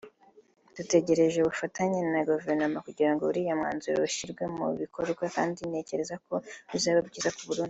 Dutegereje ubufatanye na Guverinoma kugirango uriya mwanzuro ushyirwe mu bikorwa kandi ntekereza ko bizaba byiza ku Burundi